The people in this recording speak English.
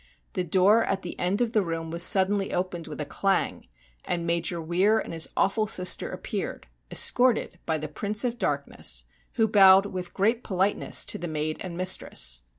The door at the end of the room was suddenly opened with a clang, and Major Weir and his awful sister appeared, escorted by the Prince of Darkness, who bowed with great politeness to the maid and mistress.